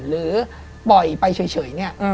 หรือปล่อยไปเฉยเนี่ย